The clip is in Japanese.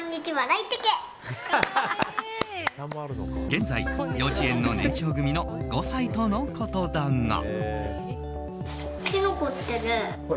現在、幼稚園の年長組の５歳とのことだが。